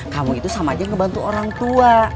kamu itu sama aja ngebantu orang tua